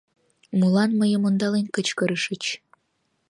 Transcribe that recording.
Молан мыйым ондален кычкырышыч?